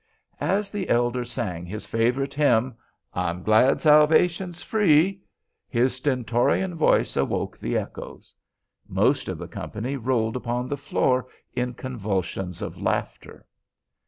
As the elder sang his favorite hymn, "I'm glad salvation's free," his stentorian voice awoke the echoes. Most of the company rolled upon the floor in convulsions of laughter.